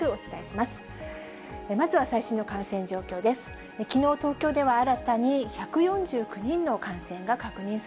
まずは最新の感染状況です。